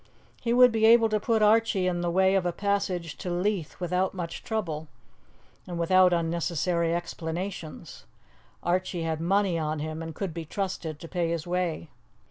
He would be able to put Archie in the way of a passage to Leith without much trouble and without unnecessary explanations; Archie had money on him, and could be trusted to pay his way.